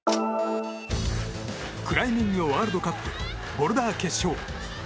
クライミングのワールドカップ、ボルダー決勝。